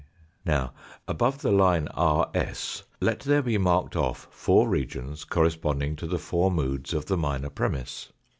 Now above the line RS let there be marked off four regions corresponding to the four moods of the minor premiss.